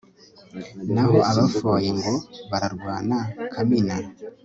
Naho abafoye ngo bararwana Kamina